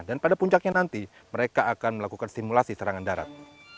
dan pada puncaknya nanti mereka akan melakukan simulasi serangan darat